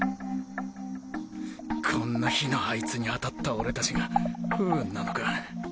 こんな日のあいつに当たった俺達が不運なのか？